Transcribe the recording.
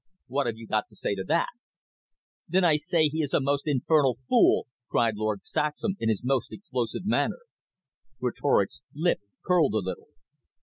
What have you got to say to that?" "Then I say he is a most infernal fool," cried Lord Saxham in his most explosive manner. Greatorex's lip curled a little.